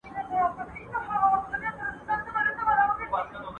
هر یوه چي مي په مخ کي پورته سر کړ.